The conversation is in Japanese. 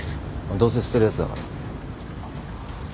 どうせ捨てるやつだから。